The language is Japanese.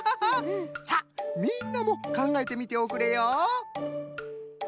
さあみんなもかんがえてみておくれよ。